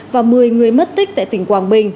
và một mươi người mất tích tại tỉnh quảng bình